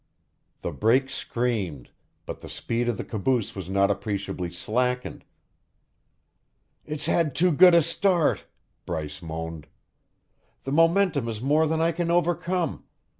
The brake screamed, but the speed of the caboose was not appreciably slackened. "It's had too good a start!" Bryce moaned. "The momentum is more than I can overcome.